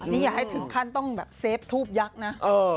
นี่อย่าให้ถึงขั้นต้องแบบเซฟทูบยักษ์นะ